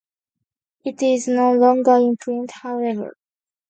It is no longer in print, however.